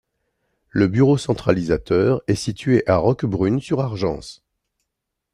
Le bureau centralisateur est situé à Roquebrune-sur-Argens.